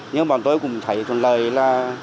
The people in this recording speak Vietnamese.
nhưng bọn tôi cũng thấy thuận lợi là